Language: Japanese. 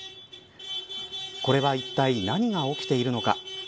これはいったい何が起きているのか。